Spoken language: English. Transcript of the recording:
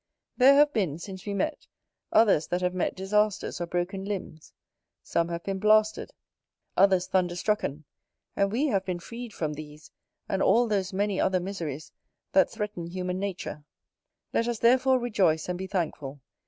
There have been, since we met, others that have met disasters or broken limbs; some have been blasted, others thunder strucken: and we have been freed from these, and all those many other miseries that threaten human nature; let us therefore rejoice and be thankful.